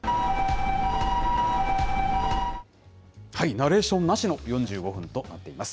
ナレーションなしの４５分となっています。